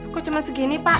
kok cuma segini pak